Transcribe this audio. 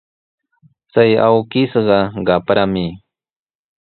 Chay awkishqa qaprami.